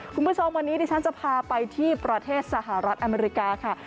คุณผู้ชมวันนี้ดิฉันจะพาไปที่ประเทศสหรัฐอเมริกาค่ะ